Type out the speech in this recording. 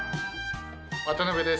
渡辺です。